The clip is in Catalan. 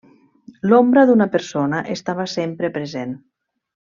L'ombra d'una persona estava sempre present.